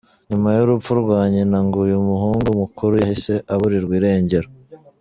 Nyuma y’urupfu rwa nyina ngo uyu muhungu mukuru yahise aburirwa irengero.